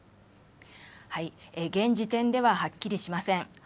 現時点でははっきりしません。